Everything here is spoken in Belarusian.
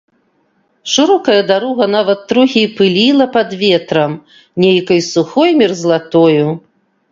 Шырокая дарога нават трохі і пыліла пад ветрам нейкай сухой мерзлатою.